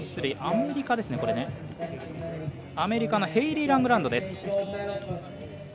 アメリカのヘイリー・ラングランドです。